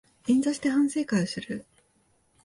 円座して反省会をする